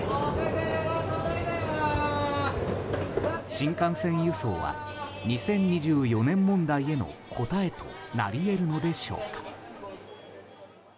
新幹線輸送は２０２４年問題への答えとなり得るのでしょうか。